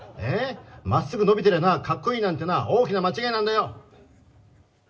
まっすぐ伸びてりゃかっこいいなんてな、大きな間違いなんだよ！